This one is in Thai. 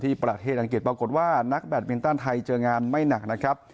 ประเทศอังกฤษปรากฏว่านักแบตมินตันไทยเจองานไม่หนักนะครับ